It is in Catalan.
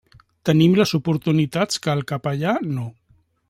Tenim les oportunitats que el capellà no.